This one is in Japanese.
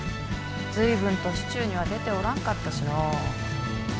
随分と市中には出ておらんかったしの。